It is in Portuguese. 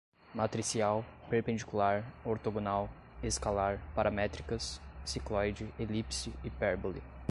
matricial, perpendicular, ortogonal, escalar, paramétricas, cicloide, elipse, hipérbole